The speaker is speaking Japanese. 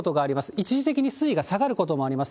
一時的に水位が下がることもあります。